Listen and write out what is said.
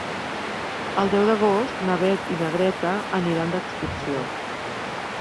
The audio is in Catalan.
El deu d'agost na Beth i na Greta aniran d'excursió.